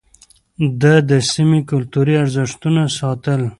ده د سيمې کلتوري ارزښتونه ساتل.